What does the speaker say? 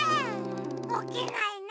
おきないな。